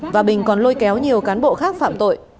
và bình còn lôi kéo nhiều cán bộ khác phạm tội